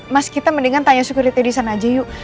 mas kita mendingan tanya sukriti disana aja yuk